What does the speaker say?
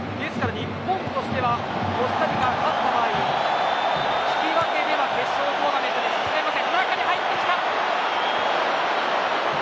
日本としてはコスタリカが勝った場合引き分けでは決勝トーナメントに進めません。